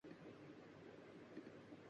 دل آشفتگاں خالِ کنجِ دہن کے